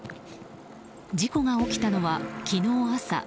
事故が起きたのは昨日朝。